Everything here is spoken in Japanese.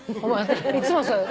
いつもそう。